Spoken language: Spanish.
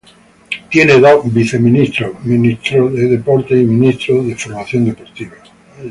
Tiene dos viceministerio: Viceministro de Deportes y Viceministro de Formación Deportiva.